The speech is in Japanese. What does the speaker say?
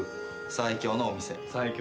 最強のお店。